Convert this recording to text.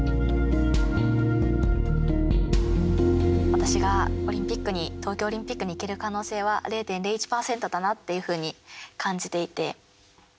私がオリンピックに東京オリンピックに行ける可能性は０．０１％だなっていうふうに感じていて。